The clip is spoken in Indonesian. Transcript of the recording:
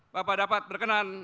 bapak dapat berkenan